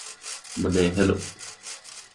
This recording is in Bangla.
মানে, হ্যালো।